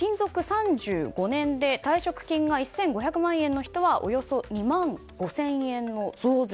３５年で退職金が１５００万円の人はおよそ２万５０００円の増税。